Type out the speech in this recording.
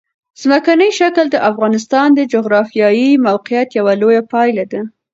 ځمکنی شکل د افغانستان د جغرافیایي موقیعت یوه لویه پایله ده.